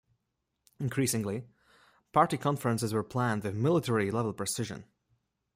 Increasingly, party conferences were planned with military-level precision.